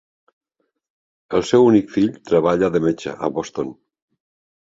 El seu únic fill treballa de metge a Boston.